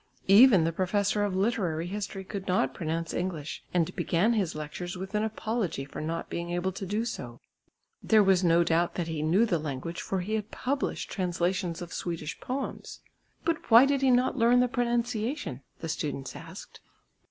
Even the Professor of Literary History could not pronounce English and began his lectures with an apology for not being able to do so. There was no doubt that he knew the language for he had published translations of Swedish poems. "But why did he not learn the pronunciation?" the students asked.